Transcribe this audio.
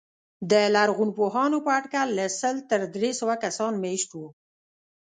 د لرغونپوهانو په اټکل له سل تر درې سوه کسان مېشت وو.